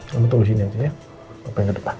kamu tunggu disini aja ya sampai kedepan